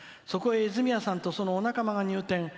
そこへ泉谷さんとそのお仲間が入店。